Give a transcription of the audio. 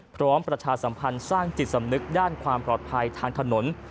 ประชาสัมพันธ์สร้างจิตสำนึกด้านความปลอดภัยทางถนน